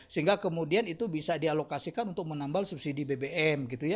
sehingga kemudian itu bisa dialokasikan untuk menambal subsidi bbm